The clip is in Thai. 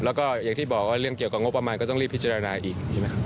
แล้วก็อย่างที่บอกว่าเรื่องเกี่ยวกับงบประมาณก็ต้องรีบพิจารณาอีกใช่ไหมครับ